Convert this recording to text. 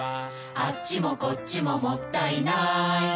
「あっちもこっちももったいない」